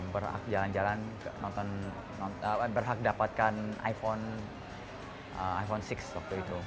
berhak jalan jalan berhak dapatkan iphone iphone enam waktu itu